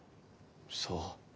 そう。